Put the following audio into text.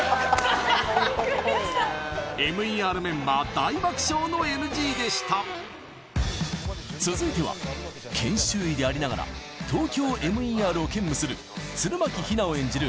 ＭＥＲメンバー大爆笑のＮＧでした続いては研修医でありながらＴＯＫＹＯＭＥＲを兼務する弦巻比奈を演じる